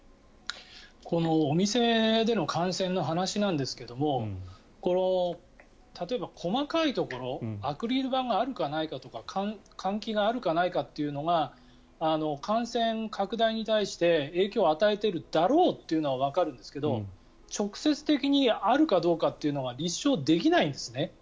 このお店での感染の話なんですけども例えば、細かいところアクリル板があるかないかとか換気があるかないかっていうのが感染拡大に対して影響を与えているだろうというのはわかるんですけど直接的にあるかどうかっていうのは立証できないんですね。